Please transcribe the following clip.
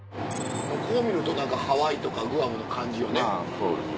こう見ると何かハワイとかグアムの感じよね。